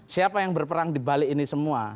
siapa yang berperang di balik ini semua